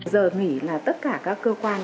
giờ nghĩ là tất cả các cơ quan